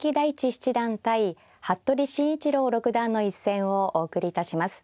七段対服部慎一郎六段の一戦をお送りいたします。